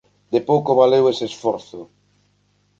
De pouco valeu ese esforzo.